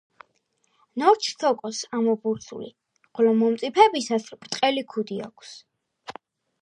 ნორჩ სოკოს ამობურცული, ხოლო მომწიფებისას ბრტყელი ქუდი აქვს.